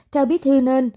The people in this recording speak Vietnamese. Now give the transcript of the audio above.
theo bí thư nơ